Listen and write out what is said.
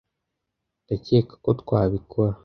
ndakeka ko twabikora